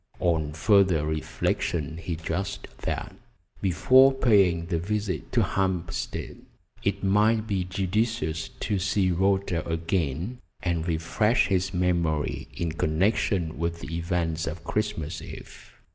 On further reflection he judged that, before paying the visit to Hampstead, it might be judicious to see Rhoda again, and refresh his memory in connection with the events of Christmas Eve.